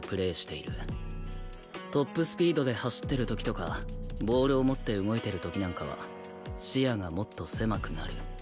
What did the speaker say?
トップスピードで走ってる時とかボールを持って動いてる時なんかは視野がもっと狭くなる。